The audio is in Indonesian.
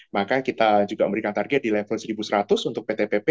maka kita juga memberikan target di level satu seratus untuk pt pp